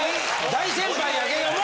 大先輩やけども。